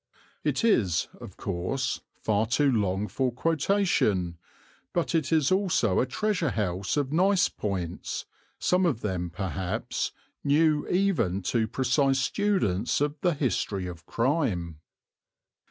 It is, of course, far too long for quotation, but it is also a treasure house of nice points, some of them perhaps new even to precise students of the history of crime.